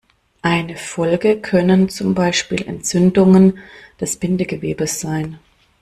Eine Folge können zum Beispiel Entzündungen des Bindegewebes sein.